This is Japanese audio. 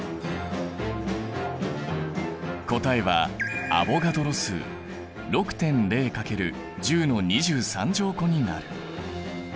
答えはアボガドロ数６．０×１０の２３乗個になる。